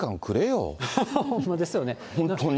ほんまですよね。